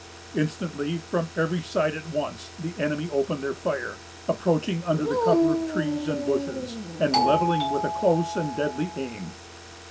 Instantly, from every side at once, the enemy opened their fire, approaching under cover of the trees and bushes, and levelling with a close and deadly aim.